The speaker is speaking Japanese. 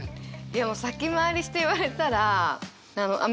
でも先回りして言われたらあっ